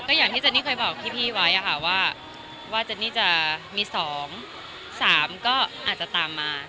ก็อย่างที่เจนนี่เคยบอกพี่ว่าเจนนี่จะมี๒การังการ๓ก็ตามมา